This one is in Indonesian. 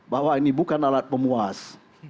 bahwa ini bukan alat pemuas